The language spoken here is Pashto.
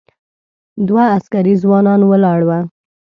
دوه عسکري ځوانان ولاړ و.